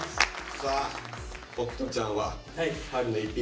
さあ北斗ちゃんは春の逸品